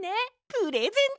プレゼント！？